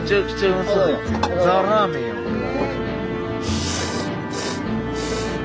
ザラーメンやこれが。